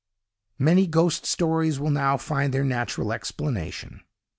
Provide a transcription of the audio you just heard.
"Many ghost stories will now find their natural explanation.